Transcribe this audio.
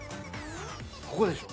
ここでしょ？